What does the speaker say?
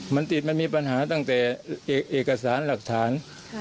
มันติดมันมีปัญหาตั้งแต่เอกสารหลักฐาน